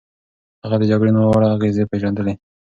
هغه د جګړې ناوړه اغېزې پېژندلې.